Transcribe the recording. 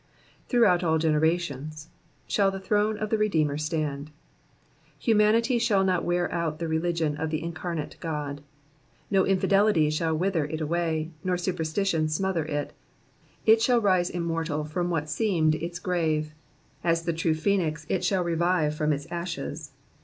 *•* Throughout all generations'* shall the throne of the Redeemer stand. Humanity shall not wear out the religion of the Incarnate God. No infidelity shall wither it away, nor superstition smother it ; it shall rise im mortal from what seemed its grave ; as the true phoenix, it shall revive fiom its ashes